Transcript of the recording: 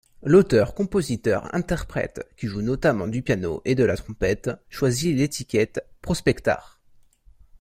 L'auteur-compositeur-interprète, qui joue notamment du piano et de la trompette, choisit l'étiquette Prospectart.